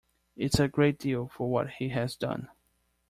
It's a great deal for what he has done.